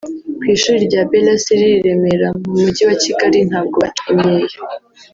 Ku ishuri rya Belasi riri i Remera mu mujyi wa Kigali ntabwo baca imyeyo